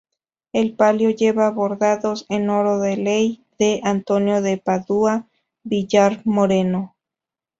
El palio lleva bordados en oro de ley de Antonio de Padua Villar Moreno.